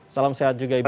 salam sehat juga ibu